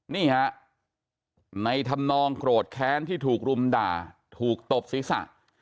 นี่ฮะในธรรมนองโกรธแค้นที่ถูกรุมด่าถูกตบศีรษะ